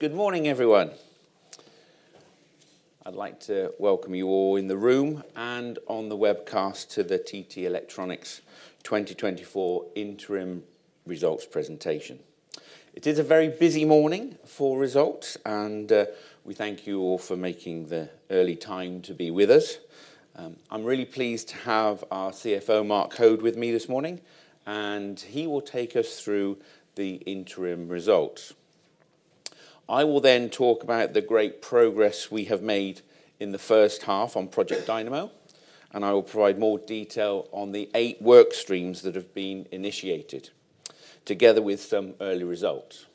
Good morning, everyone. I'd like to welcome you all in the room and on the webcast to the TT Electronics 2024 interim results presentation. It is a very busy morning for results, and we thank you all for making the early time to be with us. I'm really pleased to have our CFO, Mark Hoad, with me this morning, and he will take us through the interim results. I will then talk about the great progress we have made in the first half on Project Dynamo, and I will provide more detail on the eight work streams that have been initiated, together with some early results.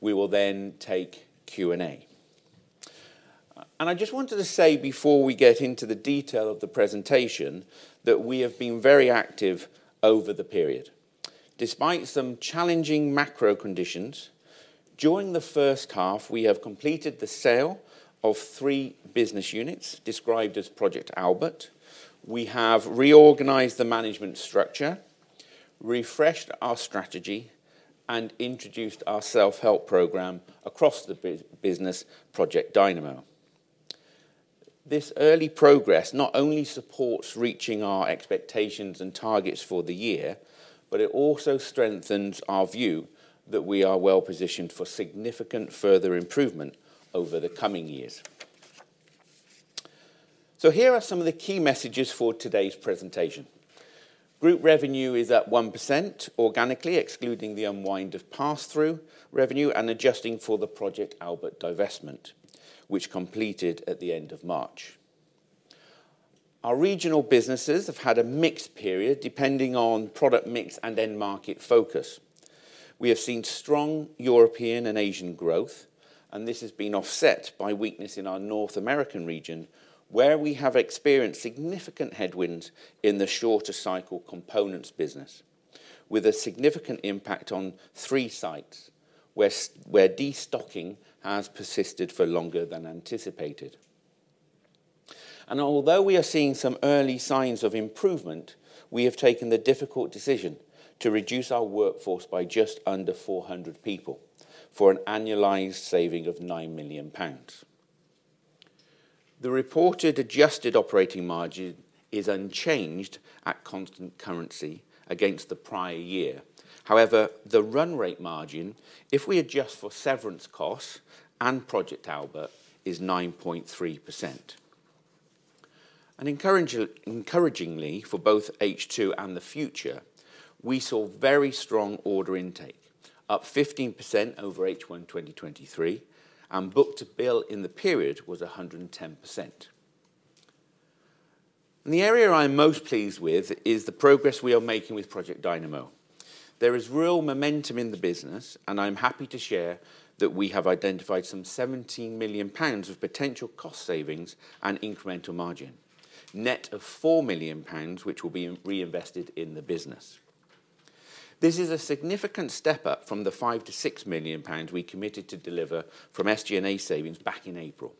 We will then take Q&A, and I just wanted to say, before we get into the detail of the presentation, that we have been very active over the period. Despite some challenging macro conditions, during the first half, we have completed the sale of three business units described as Project Albert. We have reorganized the management structure, refreshed our strategy, and introduced our self-help program across the business Project Dynamo. This early progress not only supports reaching our expectations and targets for the year, but it also strengthens our view that we are well positioned for significant further improvement over the coming years. So here are some of the key messages for today's presentation. Group revenue is at 1% organically, excluding the unwind of pass-through revenue and adjusting for the Project Albert divestment, which completed at the end of March. Our regional businesses have had a mixed period, depending on product mix and end-market focus. We have seen strong European and Asian growth, and this has been offset by weakness in our North American region, where we have experienced significant headwinds in the shorter-cycle components business, with a significant impact on three sites where destocking has persisted for longer than anticipated. And although we are seeing some early signs of improvement, we have taken the difficult decision to reduce our workforce by just under 400 people for an annualized saving of 9 million pounds. The reported adjusted operating margin is unchanged at constant currency against the prior year. However, the run rate margin, if we adjust for severance costs and Project Albert, is 9.3%. And encouragingly, for both H2 and the future, we saw very strong order intake, up 15% over H1 2023, and book to bill in the period was 110%. The area I'm most pleased with is the progress we are making with Project Dynamo. There is real momentum in the business, and I'm happy to share that we have identified some 17 million pounds of potential cost savings and incremental margin, net of 4 million pounds, which will be reinvested in the business. This is a significant step up from the 5 million-6 million pounds we committed to deliver from SG&A savings back in April.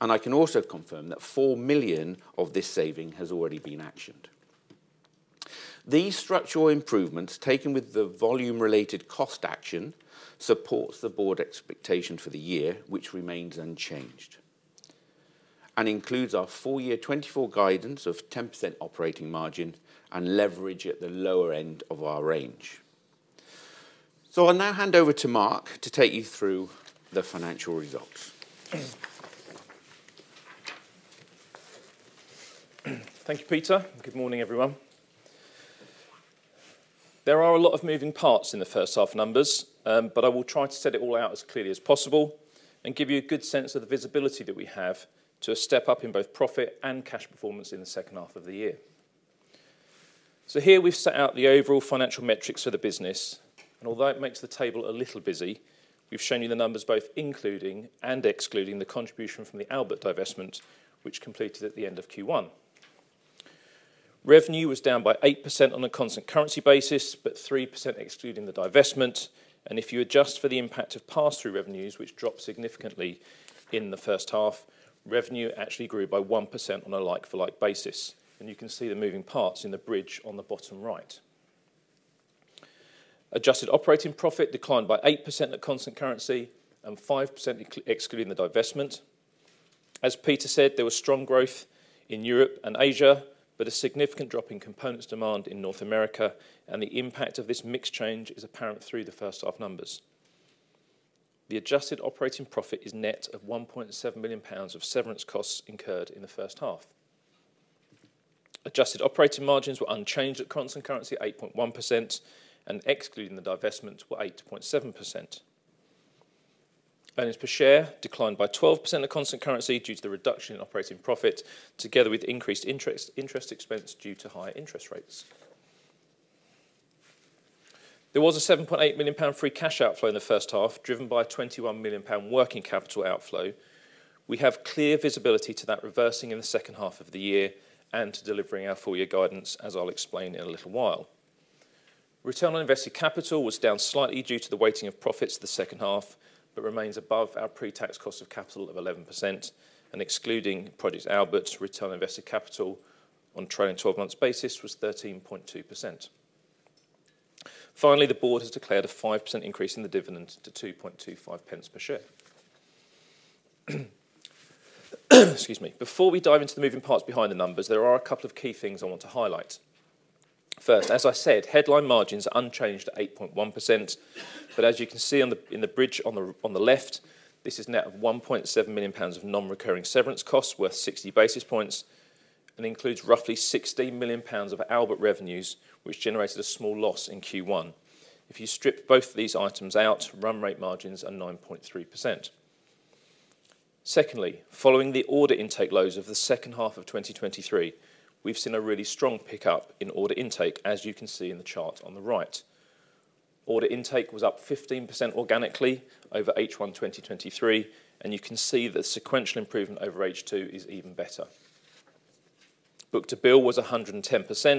I can also confirm that 4 million of this saving has already been actioned. These structural improvements, taken with the volume-related cost action, support the board expectation for the year, which remains unchanged, and includes our full year 2024 guidance of 10% operating margin and leverage at the lower end of our range. I'll now hand over to Mark to take you through the financial results. Thank you, Peter. Good morning, everyone. There are a lot of moving parts in the first half numbers, but I will try to set it all out as clearly as possible and give you a good sense of the visibility that we have to a step up in both profit and cash performance in the second half of the year, so here we've set out the overall financial metrics for the business, and although it makes the table a little busy, we've shown you the numbers both including and excluding the contribution from the Albert divestment, which completed at the end of Q1. Revenue was down by 8% on a constant currency basis, but 3% excluding the divestment, and if you adjust for the impact of pass-through revenues, which dropped significantly in the first half, revenue actually grew by 1% on a like-for-like basis. You can see the moving parts in the bridge on the bottom right. Adjusted operating profit declined by 8% at constant currency and 5% excluding the divestment. As Peter said, there was strong growth in Europe and Asia, but a significant drop in components demand in North America. The impact of this mixed change is apparent through the first half numbers. The adjusted operating profit is net of 1.7 million pounds of severance costs incurred in the first half. Adjusted operating margins were unchanged at constant currency at 8.1%, and excluding the divestment were 8.7%. Earnings per share declined by 12% at constant currency due to the reduction in operating profit, together with increased interest expense due to higher interest rates. There was a 7.8 million pound free cash outflow in the first half, driven by 21 million pound working capital outflow. We have clear visibility to that reversing in the second half of the year and delivering our four-year guidance, as I'll explain in a little while. Return on invested capital was down slightly due to the weighting of profits the second half, but remains above our pre-tax cost of capital of 11%, and excluding Project Albert, return on invested capital on a trailing 12-month basis was 13.2%. Finally, the board has declared a 5% increase in the dividend to 2.25 per share. Excuse me. Before we dive into the moving parts behind the numbers, there are a couple of key things I want to highlight. First, as I said, headline margins are unchanged at 8.1%. But as you can see in the bridge on the left, this is net of 1.7 million pounds of non-recurring severance costs worth 60 basis points and includes roughly 16 million pounds of Albert revenues, which generated a small loss in Q1. If you strip both of these items out, run rate margins are 9.3%. Secondly, following the order intake lows of the second half of 2023, we've seen a really strong pickup in order intake, as you can see in the chart on the right. Order intake was up 15% organically over H1 2023, and you can see that sequential improvement over H2 is even better. Book to bill was 110%.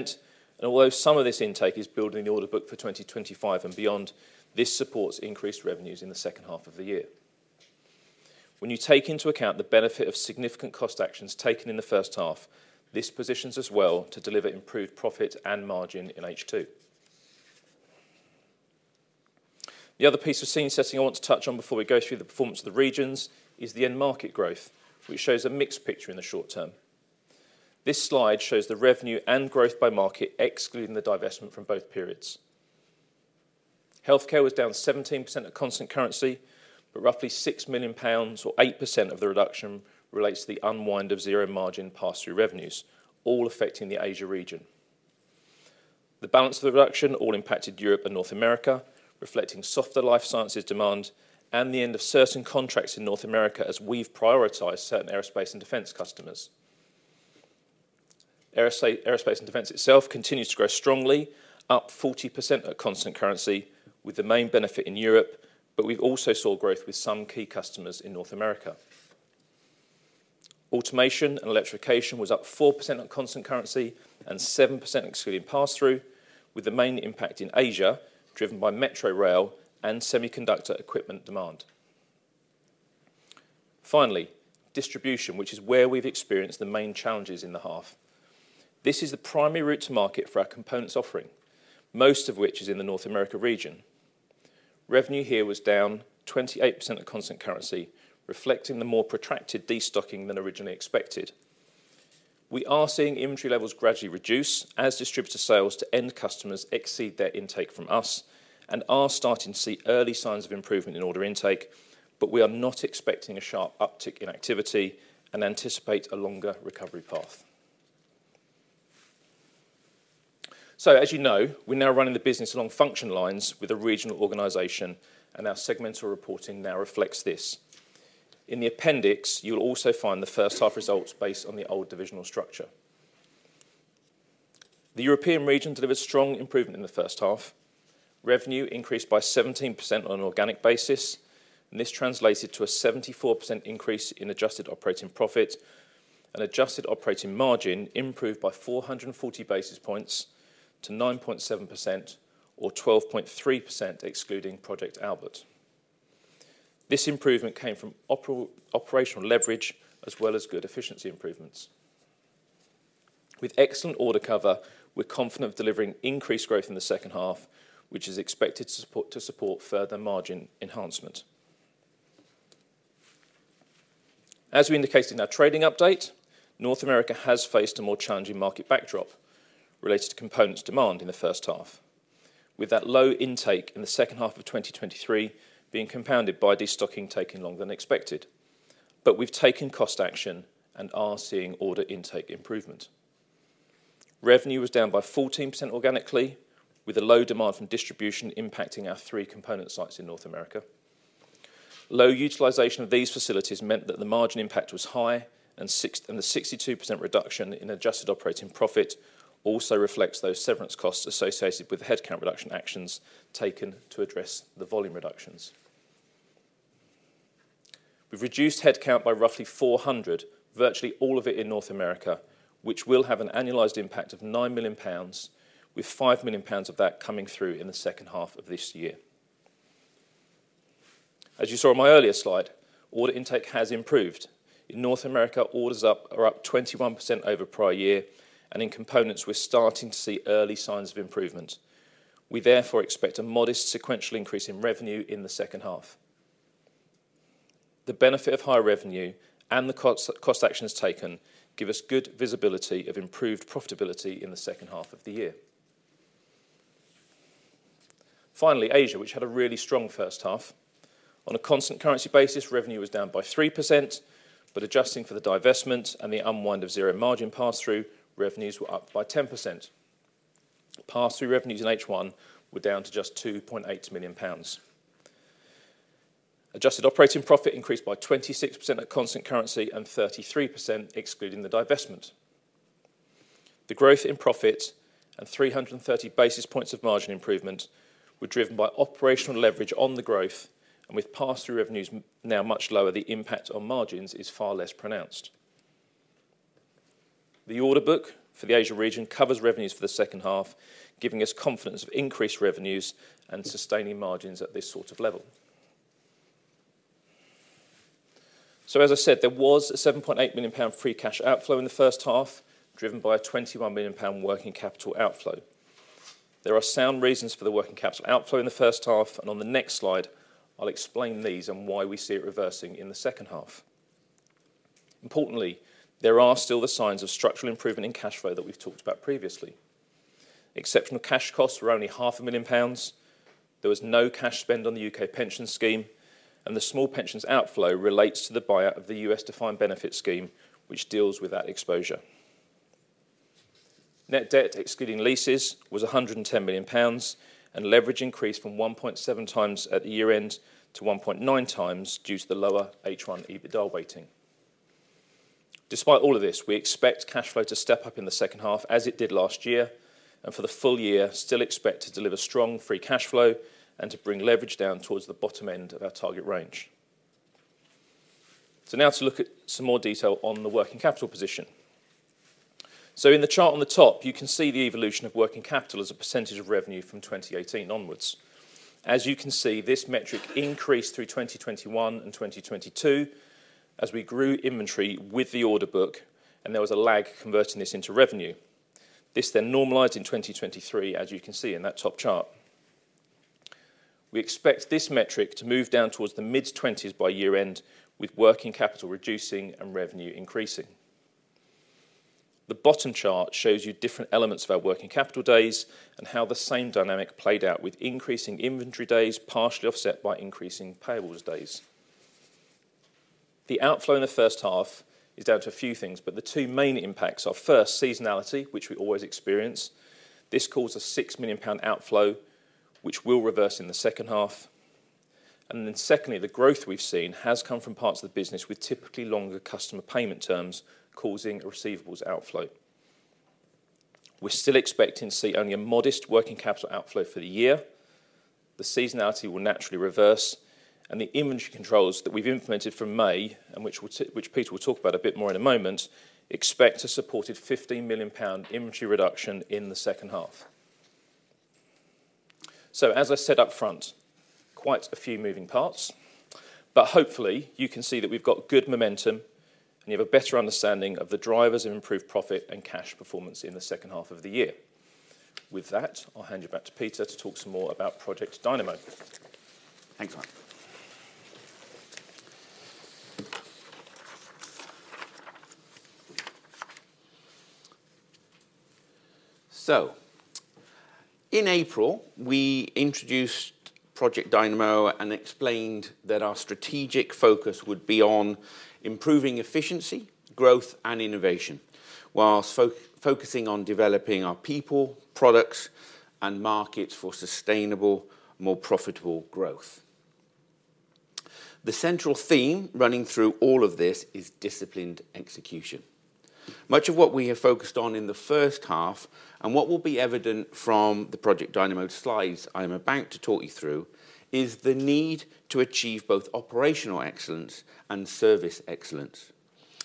And although some of this intake is building the order book for 2025 and beyond, this supports increased revenues in the second half of the year. When you take into account the benefit of significant cost actions taken in the first half, this positions us well to deliver improved profit and margin in H2. The other piece of scene setting I want to touch on before we go through the performance of the regions is the end-market growth, which shows a mixed picture in the short term. This slide shows the revenue and growth by market, excluding the divestment from both periods. Healthcare was down 17% at constant currency, but roughly 6 million pounds or 8% of the reduction relates to the unwind of zero margin pass-through revenues, all affecting the Asia region. The balance of the reduction all impacted Europe and North America, reflecting softer life sciences demand and the end of certain contracts in North America as we've prioritized certain aerospace and defense customers. Aerospace and defense itself continues to grow strongly, up 40% at constant currency, with the main benefit in Europe, but we've also saw growth with some key customers in North America. Automation and electrification was up 4% at constant currency and 7% excluding pass-through, with the main impact in Asia driven by metro rail and semiconductor equipment demand. Finally, distribution, which is where we've experienced the main challenges in the half. This is the primary route to market for our components offering, most of which is in the North America region. Revenue here was down 28% at constant currency, reflecting the more protracted destocking than originally expected. We are seeing inventory levels gradually reduce as distributor sales to end customers exceed their intake from us and are starting to see early signs of improvement in order intake, but we are not expecting a sharp uptick in activity and anticipate a longer recovery path. So, as you know, we're now running the business along function lines with a regional organization, and our segmental reporting now reflects this. In the appendix, you'll also find the first half results based on the old divisional structure. The European region delivered strong improvement in the first half. Revenue increased by 17% on an organic basis, and this translated to a 74% increase in adjusted operating profit and adjusted operating margin improved by 440 basis points to 9.7% or 12.3% excluding Project Albert. This improvement came from operational leverage as well as good efficiency improvements. With excellent order cover, we're confident of delivering increased growth in the second half, which is expected to support further margin enhancement. As we indicated in our trading update, North America has faced a more challenging market backdrop related to components demand in the first half, with that low intake in the second half of 2023 being compounded by destocking taking longer than expected. But we've taken cost action and are seeing order intake improvement. Revenue was down by 14% organically, with a low demand from distribution impacting our three component sites in North America. Low utilization of these facilities meant that the margin impact was high, and the 62% reduction in adjusted operating profit also reflects those severance costs associated with headcount reduction actions taken to address the volume reductions. We've reduced headcount by roughly 400, virtually all of it in North America, which will have an annualized impact of 9 million pounds, with 5 million pounds of that coming through in the second half of this year. As you saw on my earlier slide, order intake has improved. In North America, orders are up 21% over prior year, and in components, we're starting to see early signs of improvement. We therefore expect a modest sequential increase in revenue in the second half. The benefit of higher revenue and the cost actions taken give us good visibility of improved profitability in the second half of the year. Finally, Asia, which had a really strong first half. On a constant currency basis, revenue was down by 3%, but adjusting for the divestment and the unwind of zero margin pass-through, revenues were up by 10%. Pass-through revenues in H1 were down to just 2.8 million pounds. Adjusted operating profit increased by 26% at constant currency and 33% excluding the divestment. The growth in profit and 330 basis points of margin improvement were driven by operational leverage on the growth, and with pass-through revenues now much lower, the impact on margins is far less pronounced. The order book for the Asia region covers revenues for the second half, giving us confidence of increased revenues and sustaining margins at this sort of level. So, as I said, there was a 7.8 million pound free cash outflow in the first half, driven by a 21 million pound working capital outflow. There are sound reasons for the working capital outflow in the first half, and on the next slide, I'll explain these and why we see it reversing in the second half. Importantly, there are still the signs of structural improvement in cash flow that we've talked about previously. Exceptional cash costs were only 500,000 pounds. There was no cash spend on the U.K. pension scheme, and the small pensions outflow relates to the buyout of the U.S. defined benefit scheme, which deals with that exposure. Net debt, excluding leases, was 110 million pounds, and leverage increased from 1.7x at the year end to 1.9x due to the lower H1 EBITDA weighting. Despite all of this, we expect cash flow to step up in the second half, as it did last year, and for the full year, still expect to deliver strong free cash flow and to bring leverage down towards the bottom end of our target range. So now to look at some more detail on the working capital position. So in the chart on the top, you can see the evolution of working capital as a percentage of revenue from 2018 onwards. As you can see, this metric increased through 2021 and 2022 as we grew inventory with the order book, and there was a lag converting this into revenue. This then normalized in 2023, as you can see in that top chart. We expect this metric to move down towards the mid-20s by year-end, with working capital reducing and revenue increasing. The bottom chart shows you different elements of our working capital days and how the same dynamic played out with increasing inventory days, partially offset by increasing payables days. The outflow in the first half is down to a few things, but the two main impacts are first, seasonality, which we always experience. This caused a 6 million pound outflow, which will reverse in the second half. And then secondly, the growth we've seen has come from parts of the business with typically longer customer payment terms, causing receivables outflow. We're still expecting to see only a modest working capital outflow for the year. The seasonality will naturally reverse, and the inventory controls that we've implemented from May, and which Peter will talk about a bit more in a moment, expect a supported 15 million pound inventory reduction in the second half. So, as I said upfront, quite a few moving parts, but hopefully you can see that we've got good momentum and you have a better understanding of the drivers of improved profit and cash performance in the second half of the year. With that, I'll hand you back to Peter to talk some more about Project Dynamo. Thanks, Mark. In April, we introduced Project Dynamo and explained that our strategic focus would be on improving efficiency, growth, and innovation, while focusing on developing our people, products, and markets for sustainable, more profitable growth. The central theme running through all of this is disciplined execution. Much of what we have focused on in the first half, and what will be evident from the Project Dynamo slides I'm about to talk you through, is the need to achieve both operational excellence and service excellence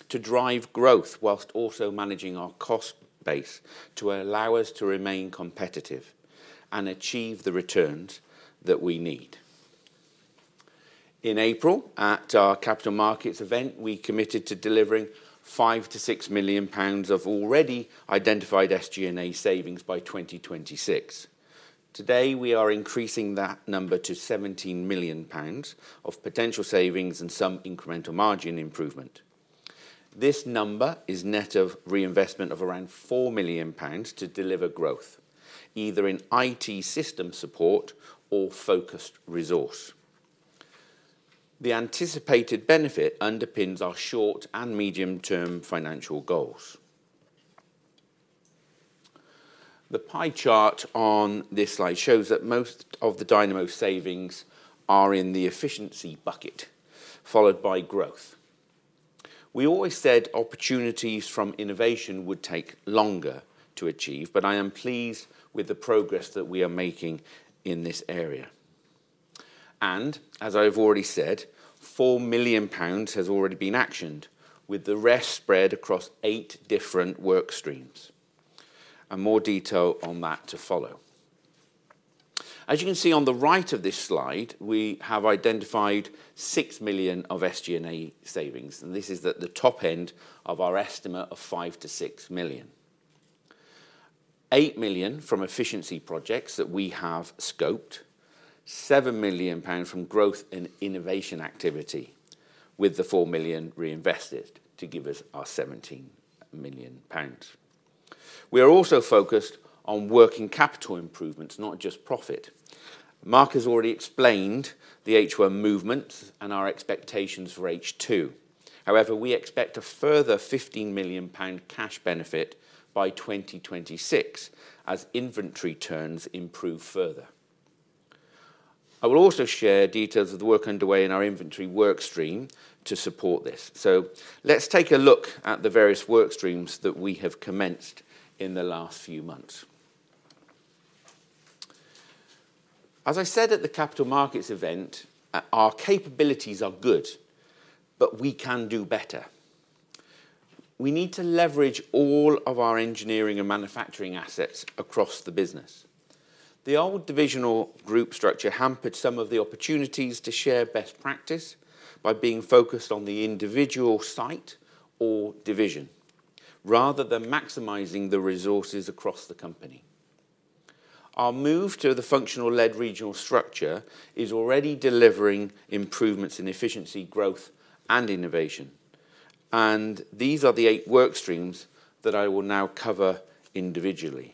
to drive growth while also managing our cost base to allow us to remain competitive and achieve the returns that we need. In April, at our capital markets event, we committed to delivering 5 million-6 million pounds of already identified SG&A savings by 2026. Today, we are increasing that number to 17 million pounds of potential savings and some incremental margin improvement. This number is net of reinvestment of around 4 million pounds to deliver growth, either in IT system support or focused resource. The anticipated benefit underpins our short and medium-term financial goals. The pie chart on this slide shows that most of the Dynamo savings are in the efficiency bucket, followed by growth. We always said opportunities from innovation would take longer to achieve, but I am pleased with the progress that we are making in this area. As I've already said, 4 million pounds has already been actioned, with the rest spread across eight different work streams. More detail on that to follow. As you can see on the right of this slide, we have identified 6 million of SG&A savings, and this is at the top end of our estimate of 5 million-6 million. 8 million from efficiency projects that we have scoped, 7 million pounds from growth and innovation activity, with the 4 million reinvested to give us our 17 million pounds. We are also focused on working capital improvements, not just profit. Mark has already explained the H1 movements and our expectations for H2. However, we expect a further 15 million pound cash benefit by 2026 as inventory turns improve further. I will also share details of the work underway in our inventory work stream to support this. So let's take a look at the various work streams that we have commenced in the last few months. As I said at the capital markets event, our capabilities are good, but we can do better. We need to leverage all of our engineering and manufacturing assets across the business. The old divisional group structure hampered some of the opportunities to share best practice by being focused on the individual site or division, rather than maximizing the resources across the company. Our move to the functional-led regional structure is already delivering improvements in efficiency, growth, and innovation. And these are the eight work streams that I will now cover individually.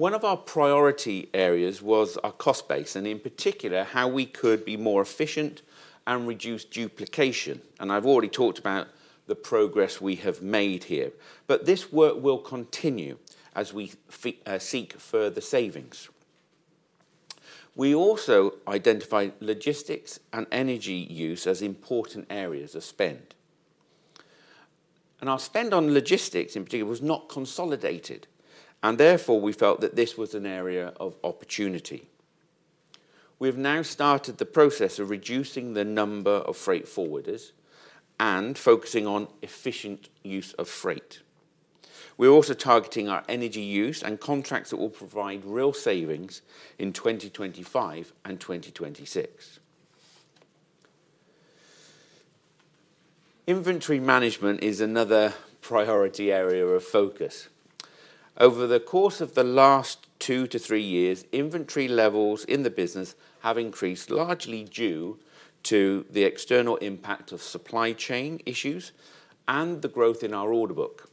One of our priority areas was our cost base and, in particular, how we could be more efficient and reduce duplication. And I've already talked about the progress we have made here, but this work will continue as we seek further savings. We also identified logistics and energy use as important areas of spend. And our spend on logistics, in particular, was not consolidated, and therefore we felt that this was an area of opportunity. We have now started the process of reducing the number of freight forwarders and focusing on efficient use of freight. We're also targeting our energy use and contracts that will provide real savings in 2025 and 2026. Inventory management is another priority area of focus. Over the course of the last two to three years, inventory levels in the business have increased largely due to the external impact of supply chain issues and the growth in our order book.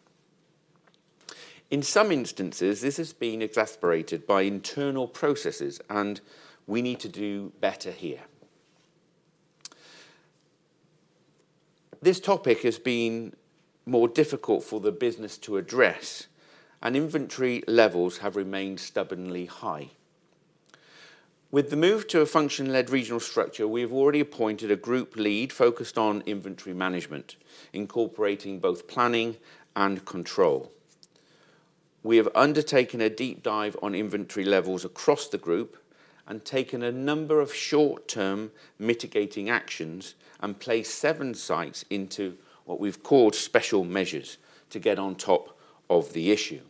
In some instances, this has been exacerbated by internal processes, and we need to do better here. This topic has been more difficult for the business to address, and inventory levels have remained stubbornly high. With the move to a function-led regional structure, we have already appointed a group lead focused on inventory management, incorporating both planning and control. We have undertaken a deep dive on inventory levels across the group and taken a number of short-term mitigating actions and placed seven sites into what we've called special measures to get on top of the issue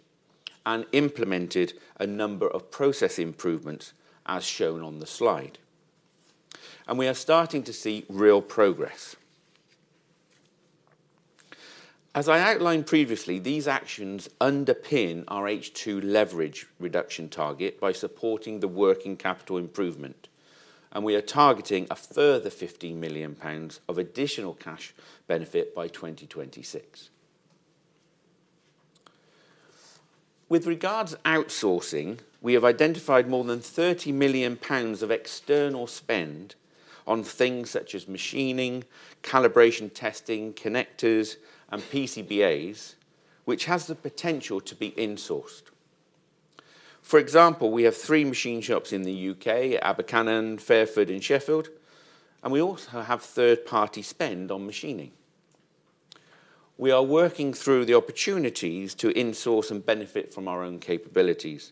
and implemented a number of process improvements as shown on the slide. And we are starting to see real progress. As I outlined previously, these actions underpin our H2 leverage reduction target by supporting the working capital improvement, and we are targeting a further 15 million pounds of additional cash benefit by 2026. With regards to outsourcing, we have identified more than 30 million pounds of external spend on things such as machining, calibration testing, connectors, and PCBAs, which has the potential to be insourced. For example, we have three machine shops in the UK: Abercynon, Fairford, and Sheffield. And we also have third-party spend on machining. We are working through the opportunities to insource and benefit from our own capabilities,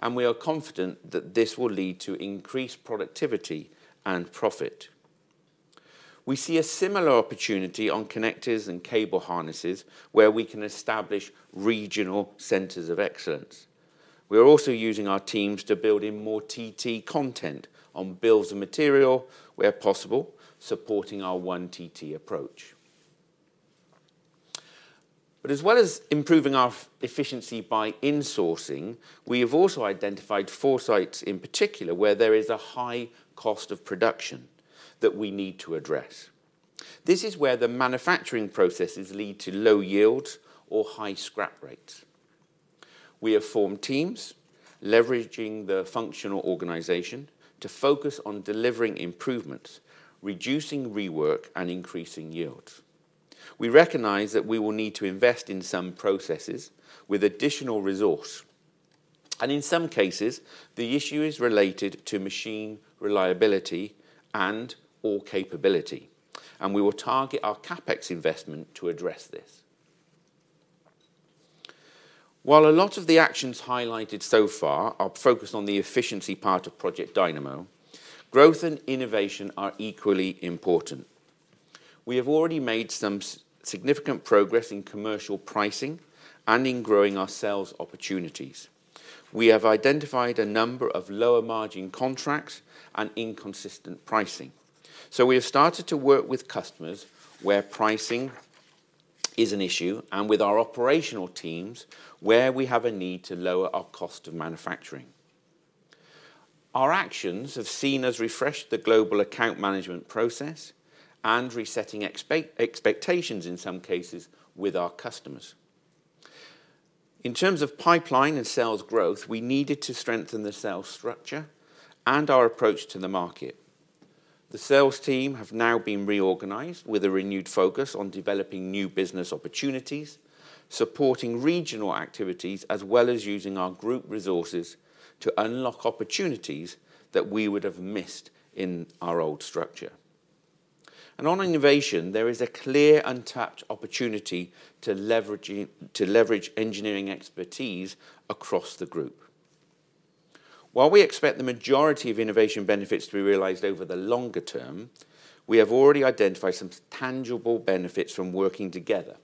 and we are confident that this will lead to increased productivity and profit. We see a similar opportunity on connectors and cable harnesses where we can establish regional centers of excellence. We are also using our teams to build in more TT content on bills of material where possible, supporting our One TT approach. But as well as improving our efficiency by insourcing, we have also identified four sites in particular where there is a high cost of production that we need to address. This is where the manufacturing processes lead to low yields or high scrap rates. We have formed teams leveraging the functional organization to focus on delivering improvements, reducing rework, and increasing yields. We recognize that we will need to invest in some processes with additional resource. In some cases, the issue is related to machine reliability and/or capability. We will target our CapEx investment to address this. While a lot of the actions highlighted so far are focused on the efficiency part of Project Dynamo, growth and innovation are equally important. We have already made some significant progress in commercial pricing and in growing our sales opportunities. We have identified a number of lower margin contracts and inconsistent pricing. We have started to work with customers where pricing is an issue and with our operational teams where we have a need to lower our cost of manufacturing. Our actions have seen us refresh the global account management process and resetting expectations in some cases with our customers. In terms of pipeline and sales growth, we needed to strengthen the sales structure and our approach to the market. The sales team have now been reorganized with a renewed focus on developing new business opportunities, supporting regional activities, as well as using our group resources to unlock opportunities that we would have missed in our old structure, and on innovation, there is a clear untapped opportunity to leverage engineering expertise across the group. While we expect the majority of innovation benefits to be realized over the longer term, we have already identified some tangible benefits from working together,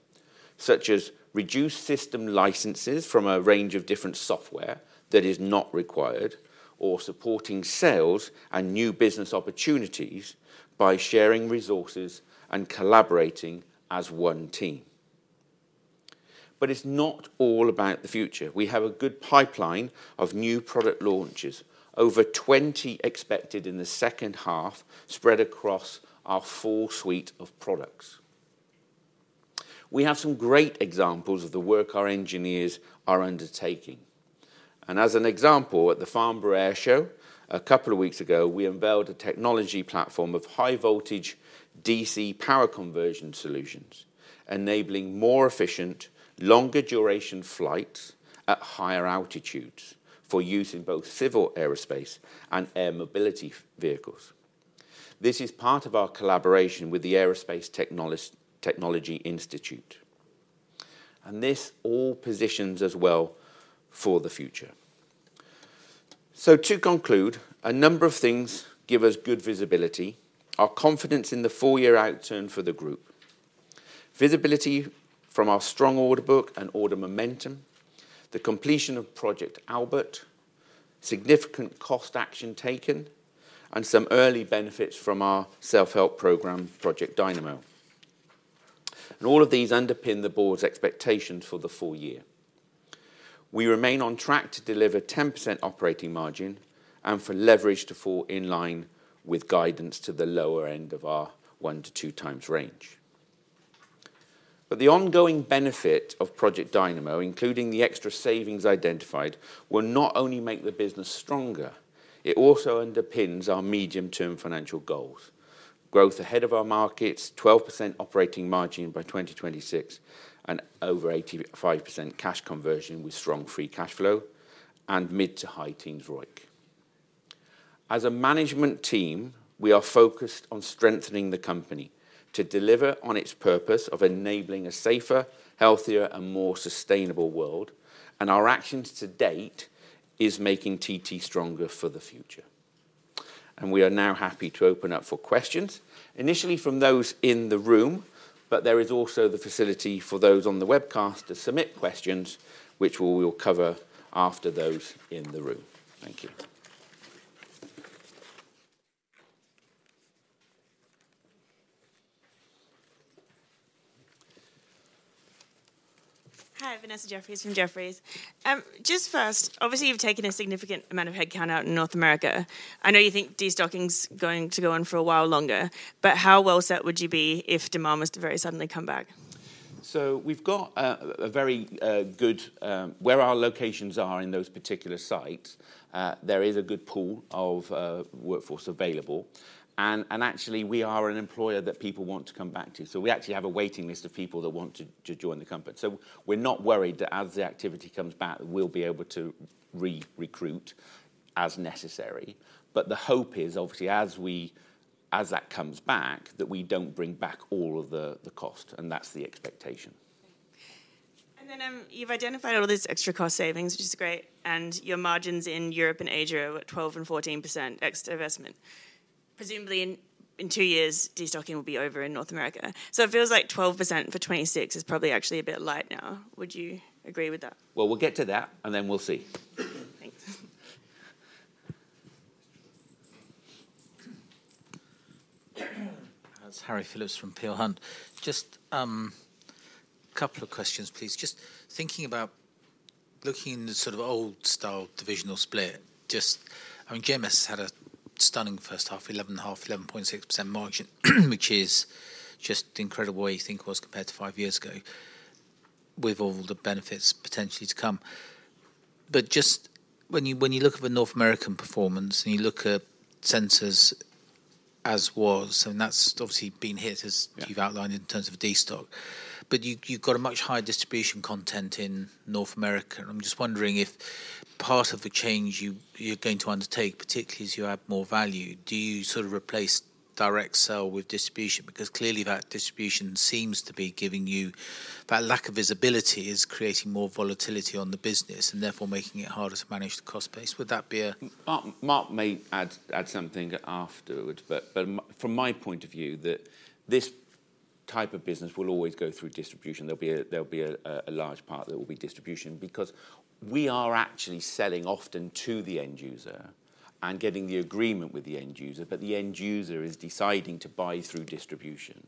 such as reduced system licenses from a range of different software that is not required, or supporting sales and new business opportunities by sharing resources and collaborating as one team, but it's not all about the future. We have a good pipeline of new product launches, over 20 expected in the second half, spread across our full suite of products. We have some great examples of the work our engineers are undertaking. And as an example, at the Farnborough Air Show a couple of weeks ago, we unveiled a technology platform of high-voltage DC power conversion solutions, enabling more efficient, longer-duration flights at higher altitudes for use in both civil aerospace and air mobility vehicles. This is part of our collaboration with the Aerospace Technology Institute. And this all positions us well for the future. So to conclude, a number of things give us good visibility: our confidence in the four-year outturn for the group, visibility from our strong order book and order momentum, the completion of Project Albert, significant cost action taken, and some early benefits from our self-help program, Project Dynamo. And all of these underpin the board's expectations for the full year. We remain on track to deliver 10% operating margin and for leverage to fall in line with guidance to the lower end of our one to two times range, but the ongoing benefit of Project Dynamo, including the extra savings identified, will not only make the business stronger, it also underpins our medium-term financial goals: growth ahead of our markets, 12% operating margin by 2026, and over 85% cash conversion with strong free cash flow and mid to high teens ROIC. As a management team, we are focused on strengthening the company to deliver on its purpose of enabling a safer, healthier, and more sustainable world, and our action to date is making TT stronger for the future. We are now happy to open up for questions, initially from those in the room, but there is also the facility for those on the webcast to submit questions, which we will cover after those in the room. Thank you. Hi, Vanessa Jeffriess from Jefferies. Just first, obviously, you've taken a significant amount of headcount out in North America. I know you think destocking's going to go on for a while longer, but how well set would you be if demand was to very suddenly come back? So we've got a very good idea of where our locations are in those particular sites. There is a good pool of workforce available, and actually, we are an employer that people want to come back to. So we actually have a waiting list of people that want to join the company. So we're not worried that as the activity comes back, we'll be able to re-recruit as necessary, but the hope is, obviously, as that comes back, that we don't bring back all of the cost, and that's the expectation. And then you've identified all these extra cost savings, which is great. And your margins in Europe and Asia are at 12% and 14% extra investment. Presumably, in two years, destocking will be over in North America. So it feels like 12% for 2026 is probably actually a bit light now. Would you agree with that? We'll get to that, and then we'll see. Thanks. That's Harry Philips from Peel Hunt. Just a couple of questions, please. Just thinking about looking in the sort of old-style divisional split, just I mean, GMS had a stunning first half, 11.5%-11.6% margin, which is just incredible where you think it was compared to five years ago with all the benefits potentially to come. But just when you look at the North American performance and you look at sensors as was, and that's obviously been hit as you've outlined in terms of destock, but you've got a much higher distribution content in North America. And I'm just wondering if part of the change you're going to undertake, particularly as you add more value, do you sort of replace direct sale with distribution? Because clearly, that distribution seems to be giving you that lack of visibility, is creating more volatility on the business and therefore making it harder to manage the cost base. Would that be a? Mark may add something afterwards, but from my point of view, this type of business will always go through distribution. There'll be a large part that will be distribution because we are actually selling often to the end user and getting the agreement with the end user, but the end user is deciding to buy through distribution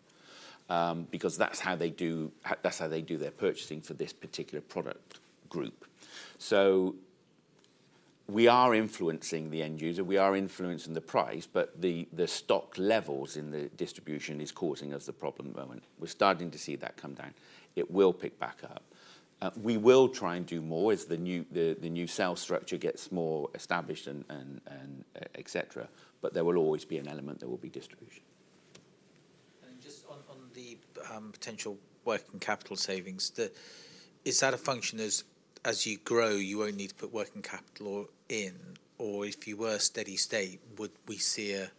because that's how they do their purchasing for this particular product group. So we are influencing the end user. We are influencing the price, but the stock levels in the distribution are causing us the problem at the moment. We're starting to see that come down. It will pick back up. We will try and do more as the new sales structure gets more established, et cetera, but there will always be an element that will be distribution. Just on the potential working capital savings, is that a function as you grow, you only need to put working capital in? Or if you were steady state, would we see a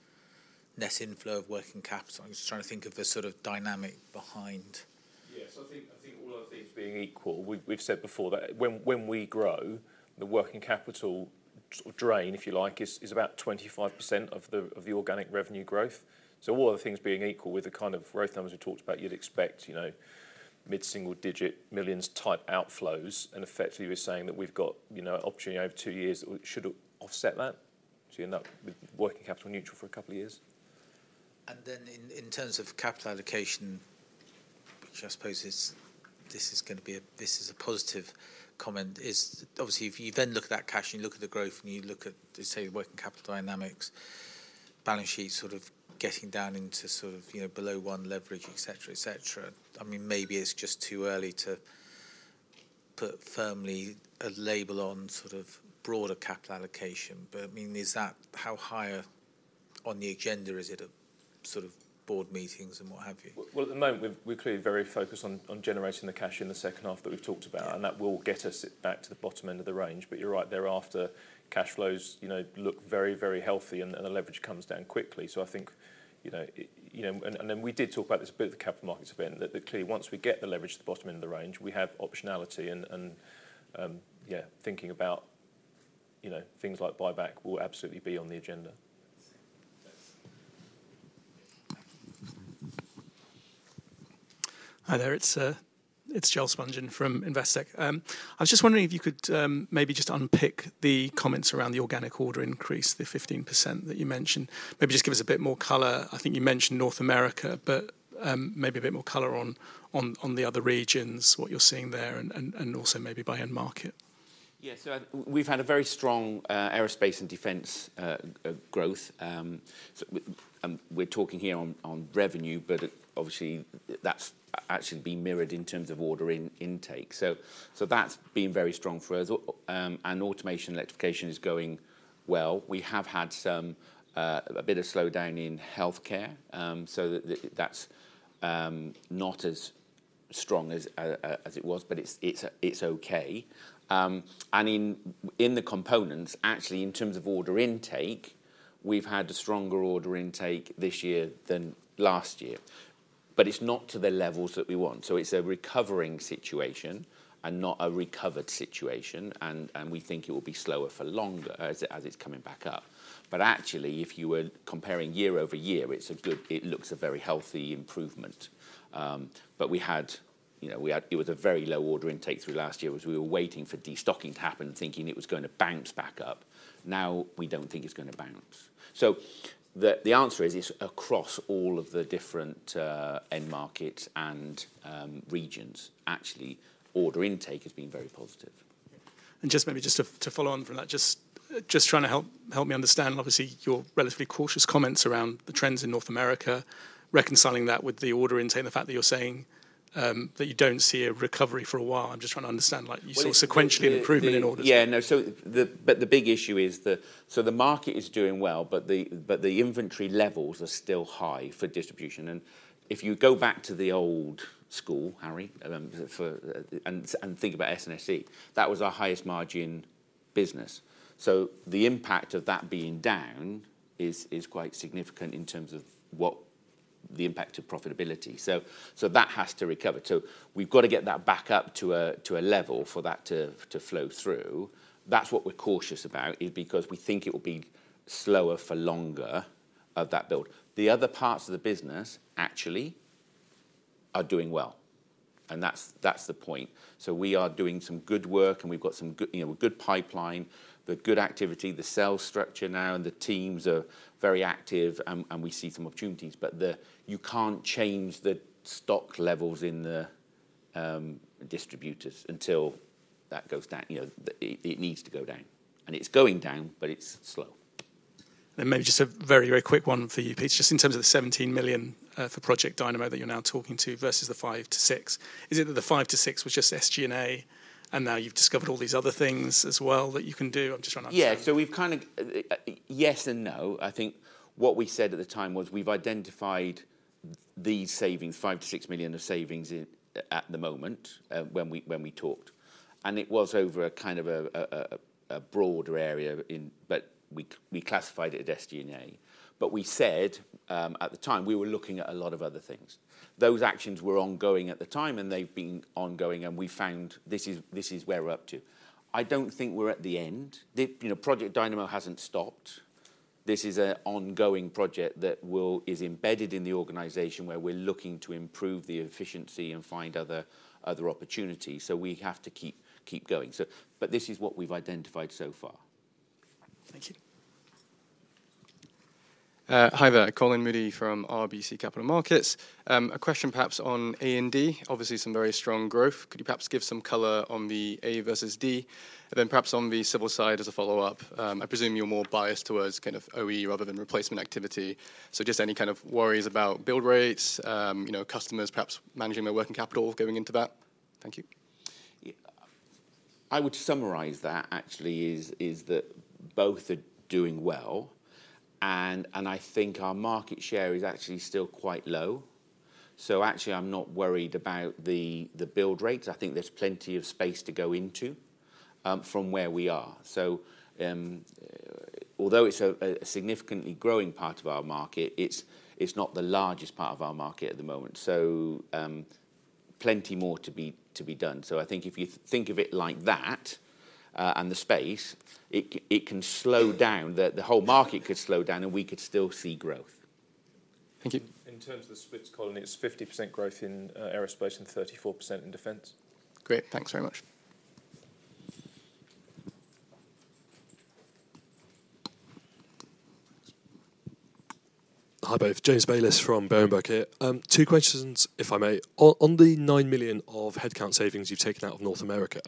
net inflow of working capital? I'm just trying to think of the sort of dynamic behind. Yeah. So I think all other things being equal, we've said before that when we grow, the working capital drain, if you like, is about 25% of the organic revenue growth. So all other things being equal with the kind of growth numbers we talked about, you'd expect mid-single-digit millions-type outflows. And effectively, we're saying that we've got an opportunity over two years that should offset that to end up with working capital neutral for a couple of years. And then, in terms of capital allocation, which I suppose this is going to be a positive comment, is obviously, if you then look at that cash and you look at the growth and you look at, say, the working capital dynamics, balance sheet sort of getting down into sort of below one leverage, et cetera, et cetera. I mean, maybe it's just too early to put firmly a label on sort of broader capital allocation. But I mean, is that how high on the agenda is it at sort of board meetings and what have you? At the moment, we're clearly very focused on generating the cash in the second half that we've talked about, and that will get us back to the bottom end of the range. But you're right, thereafter, cash flows look very, very healthy and the leverage comes down quickly. So I think, and then we did talk about this a bit at the capital markets event, that clearly, once we get the leverage to the bottom end of the range, we have optionality. And yeah, thinking about things like buyback will absolutely be on the agenda. Hi there. It's Joel Spungin from Investec. I was just wondering if you could maybe just unpick the comments around the organic order increase, the 15% that you mentioned. Maybe just give us a bit more color. I think you mentioned North America, but maybe a bit more color on the other regions, what you're seeing there, and also maybe by end market. Yeah. So we've had a very strong aerospace and defense growth. We're talking here on revenue, but obviously, that's actually been mirrored in terms of order intake. So that's been very strong for us. And automation and electrification is going well. We have had a bit of slowdown in healthcare, so that's not as strong as it was, but it's okay. And in the components, actually, in terms of order intake, we've had a stronger order intake this year than last year, but it's not to the levels that we want. So it's a recovering situation and not a recovered situation. And we think it will be slower for longer as it's coming back up. But actually, if you were comparing year-over-year, it looks a very healthy improvement. But it was a very low order intake through last year as we were waiting for destocking to happen, thinking it was going to bounce back up. Now we don't think it's going to bounce. So the answer is it's across all of the different end markets and regions. Actually, order intake has been very positive. And just maybe to follow on from that, just trying to help me understand, obviously, your relatively cautious comments around the trends in North America, reconciling that with the order intake and the fact that you're saying that you don't see a recovery for a while. I'm just trying to understand. You saw sequentially an improvement in order. Yeah. No. But the big issue is that the market is doing well, but the inventory levels are still high for distribution. And if you go back to the old school, Harry, and think about sensors, that was our highest margin business. So the impact of that being down is quite significant in terms of the impact of profitability. So that has to recover. So we've got to get that back up to a level for that to flow through. That's what we're cautious about is because we think it will be slower for longer of that build. The other parts of the business actually are doing well, and that's the point. So we are doing some good work, and we've got some good pipeline, the good activity, the sales structure now, and the teams are very active, and we see some opportunities. But you can't change the stock levels in the distributors until that goes down. It needs to go down. And it's going down, but it's slow. Then maybe just a very, very quick one for you, Pete, just in terms of the 17 million for Project Dynamo that you're now talking to versus the five to six. Is it that the five to six was just SG&A, and now you've discovered all these other things as well that you can do? I'm just trying to understand. Yeah. So we've kind of yes and no. I think what we said at the time was we've identified these savings, 5 million-6 million of savings at the moment when we talked. And it was over a kind of a broader area, but we classified it as SG&A. But we said at the time we were looking at a lot of other things. Those actions were ongoing at the time, and they've been ongoing, and we found this is where we're up to. I don't think we're at the end. Project Dynamo hasn't stopped. This is an ongoing project that is embedded in the organization where we're looking to improve the efficiency and find other opportunities. So we have to keep going. But this is what we've identified so far. Thank you. Hi there. Colin Moody from RBC Capital Markets. A question perhaps on A and D. Obviously, some very strong growth. Could you perhaps give some color on the A versus D? And then perhaps on the civil side as a follow-up, I presume you're more biased towards kind of OE rather than replacement activity. So just any kind of worries about build rates, customers perhaps managing their working capital going into that? Thank you. I would summarize that actually is that both are doing well, and I think our market share is actually still quite low. So actually, I'm not worried about the build rates. I think there's plenty of space to go into from where we are. So although it's a significantly growing part of our market, it's not the largest part of our market at the moment. So plenty more to be done. So I think if you think of it like that and the space, it can slow down. The whole market could slow down, and we could still see growth. Thank you. In terms of the splits, Colin, it's 50% growth in aerospace and 34% in defense. Great. Thanks very much. Hi both. James Bayliss from Berenberg here. Two questions, if I may. On the 9 million of headcount savings you've taken out of North America,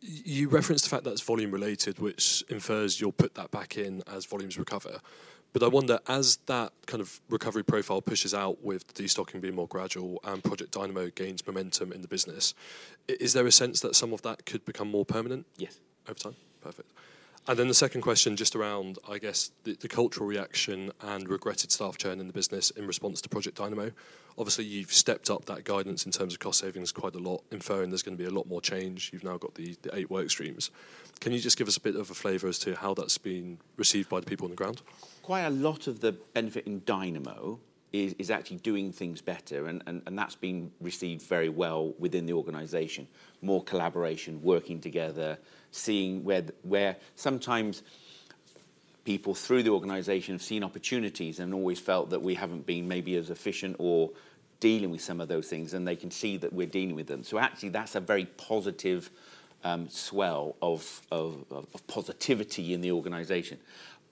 you referenced the fact that it's volume-related, which infers you'll put that back in as volumes recover. But I wonder, as that kind of recovery profile pushes out with destocking being more gradual and Project Dynamo gains momentum in the business, is there a sense that some of that could become more permanent? Yes. Over time? Perfect. And then the second question just around, I guess, the cultural reaction and regretted staff churn in the business in response to Project Dynamo. Obviously, you've stepped up that guidance in terms of cost savings quite a lot, inferring there's going to be a lot more change. You've now got the eight work streams. Can you just give us a bit of a flavor as to how that's been received by the people on the ground? Quite a lot of the benefit in Dynamo is actually doing things better, and that's been received very well within the organization. More collaboration, working together, seeing where sometimes people through the organization have seen opportunities and always felt that we haven't been maybe as efficient or dealing with some of those things, and they can see that we're dealing with them, so actually, that's a very positive swell of positivity in the organization.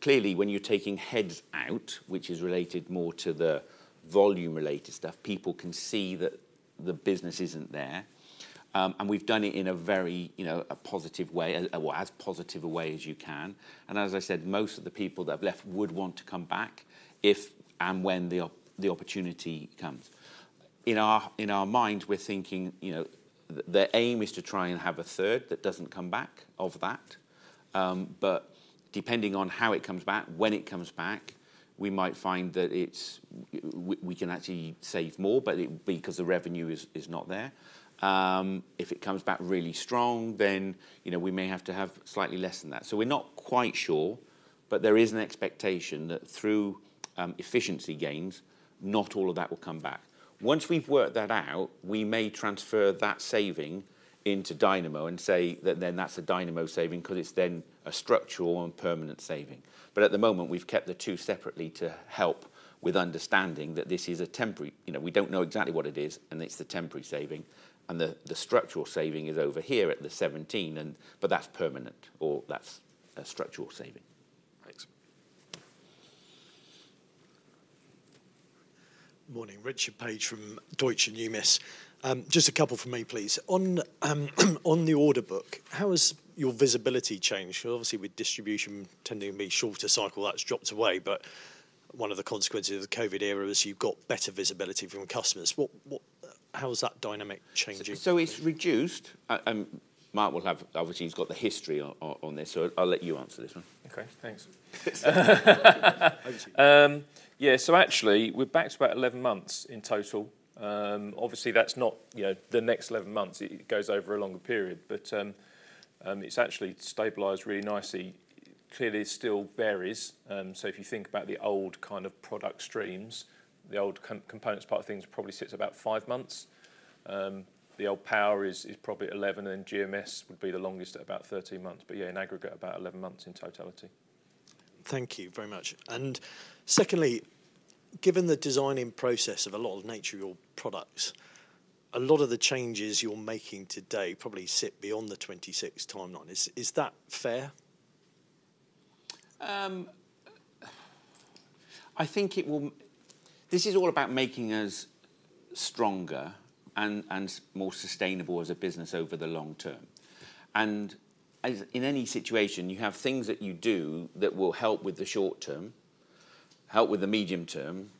Clearly, when you're taking heads out, which is related more to the volume-related stuff, people can see that the business isn't there, and we've done it in a very positive way, or as positive a way as you can, and as I said, most of the people that have left would want to come back if and when the opportunity comes. In our mind, we're thinking the aim is to try and have a third that doesn't come back of that. But depending on how it comes back, when it comes back, we might find that we can actually save more, but it will be because the revenue is not there. If it comes back really strong, then we may have to have slightly less than that. So we're not quite sure, but there is an expectation that through efficiency gains, not all of that will come back. Once we've worked that out, we may transfer that saving into Dynamo and say that then that's a Dynamo saving because it's then a structural and permanent saving. But at the moment, we've kept the two separately to help with understanding that this is a temporary. We don't know exactly what it is, and it's the temporary saving. The structural saving is over here at the 17 million, but that's permanent or that's a structural saving. Thanks. Morning. Richard Paige from Deutsche Numis. Just a couple for me, please. On the order book, how has your visibility changed? Obviously, with distribution tending to be shorter cycle, that's dropped away, but one of the consequences of the COVID era is you've got better visibility from customers. How has that dynamic changed? So it's reduced. And Mark will have, obviously, he's got the history on this, so I'll let you answer this one. Okay. Thanks. Yeah. So actually, we're back to about 11 months in total. Obviously, that's not the next 11 months. It goes over a longer period, but it's actually stabilized really nicely. Clearly, it still varies, so if you think about the old kind of product streams, the old components part of things probably sits about five months. The old power is probably 11 months, and then GMS would be the longest at about 13 months. But yeah, in aggregate, about 11 months in totality. Thank you very much. And secondly, given the design and long lead time nature of your products, a lot of the changes you're making today probably sit beyond the 2026 timeline. Is that fair? I think this is all about making us stronger and more sustainable as a business over the long term, and in any situation, you have things that you do that will help with the short term, help with the medium term,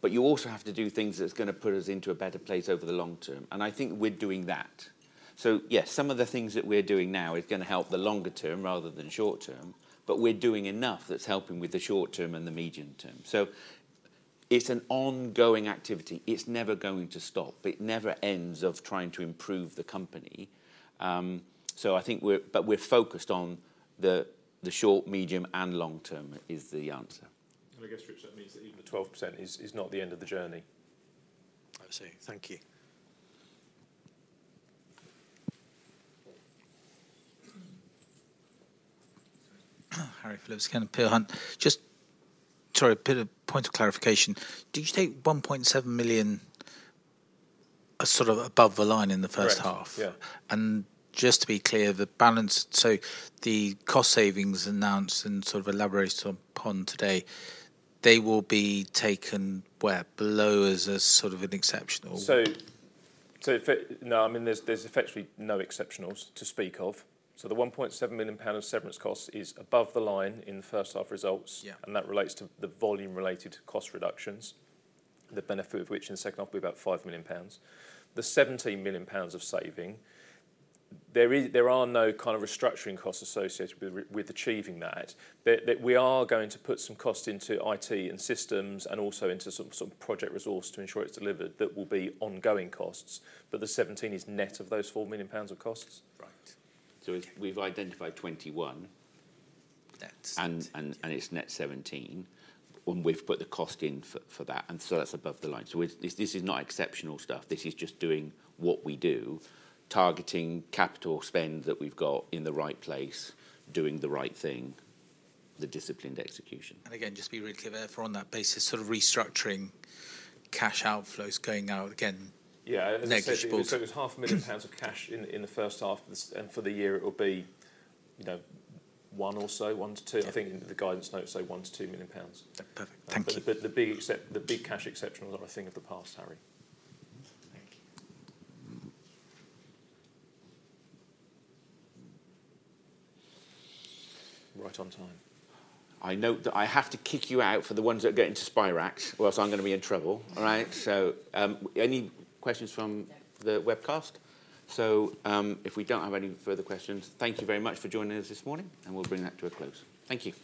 but you also have to do things that's going to put us into a better place over the long term, and I think we're doing that, so yes, some of the things that we're doing now is going to help the longer term rather than short term, but we're doing enough that's helping with the short term and the medium term, so it's an ongoing activity. It's never going to stop. It never ends of trying to improve the company, so I think we're focused on the short, medium, and long term is the answer. I guess, Richard, that means that even the 12% is not the end of the journey. I see. Thank you. Harry Phillips from Peel Hunt, just, sorry, a point of clarification. Did you take 1.7 million sort of above the line in the first half? Yeah. Yeah. Just to be clear, the balance, so the cost savings announced and sort of elaborated upon today, they will be taken below as sort of an exceptional? So no, I mean, there's effectively no exceptionals to speak of. So the 1.7 million pound severance cost is above the line in the first half results, and that relates to the volume-related cost reductions, the benefit of which in the second half will be about 5 million pounds. The 17 million pounds of saving, there are no kind of restructuring costs associated with achieving that. We are going to put some cost into IT and systems and also into some project resource to ensure it's delivered that will be ongoing costs, but the 17 million is net of those 4 million pounds of costs. Right. So we've identified 21 million, and it's net 17 million, and we've put the cost in for that, and so that's above the line. So this is not exceptional stuff. This is just doing what we do, targeting capital spend that we've got in the right place, doing the right thing, the disciplined execution. Again, just be really clear therefore on that basis, sort of restructuring cash outflows going out again. Yeah. So it's 500,000 pounds of cash in the first half, and for the year, it will be 1 million or so, 1 million-2 million. I think the guidance notes say 1 million-2 million pounds. Perfect. Thank you. But the big cash exceptionals are, I think, of the past, Harry. Thank you. Right on time. I know have to kick you out for the ones that get into Spirax, or else I'm going to be in trouble, all right? So any questions from the webcast? So if we don't have any further questions, thank you very much for joining us this morning, and we'll bring that to a close. Thank you.